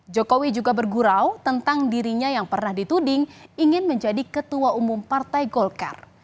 jokowi juga bergurau tentang dirinya yang pernah dituding ingin menjadi ketua umum partai golkar